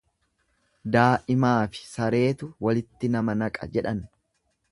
Daa'imaafi sareetu walitti nama naqa jedhan.